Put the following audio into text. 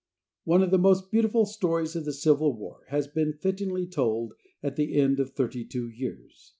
One of the most beautiful stories of the Civil War has been fittingly told at the end of thirty two years.